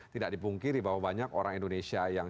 tidak dipungkiri bahwa banyak orang indonesia yang